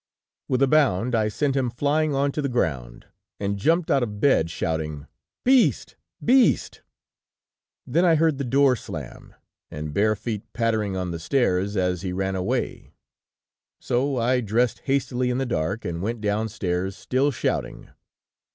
"With a bound I sent him flying on to the ground, and jumped out of bed, shouting: "'Beast! beast!' "Then I heard the door slam, and bare feet pattering on the stairs as he ran away; so I dressed hastily in the dark and went downstairs, still shouting.